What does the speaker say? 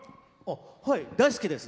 はい大好きです。